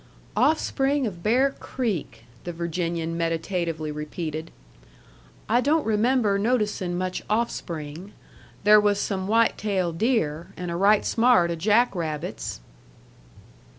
"Offspring of Bear Creek," the Virginian meditatively repeated. "I don't remember noticin' much offspring. There was some white tail deer, and a right smart o' jack rabbits."